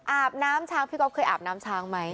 อาบน้ำช้างพี่ก๊อฟเคยอาบน้ำช้างไหม